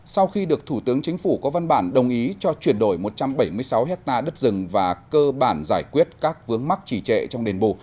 sau khi được thủ tướng chính phủ có văn bản đồng ý cho chuyển đổi một trăm bảy mươi sáu hectare đất rừng và cơ bản giải quyết các vướng mắc trì trệ trong đền bù